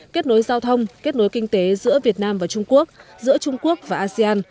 kết nối giao thông kết nối kinh tế giữa việt nam và trung quốc giữa trung quốc và asean